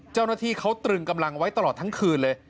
เจ้าหน้าที่เขาตรึงกำลังไว้ตลอดทั้งคืนเลย